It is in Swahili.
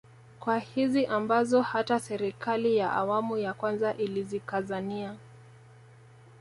Kazi hizi ambazo hata serikali ya awamu ya kwanza ilizikazania